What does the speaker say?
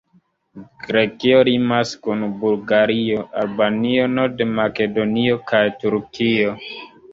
Grekio limas kun Bulgario, Albanio, Nord-Makedonio kaj Turkio.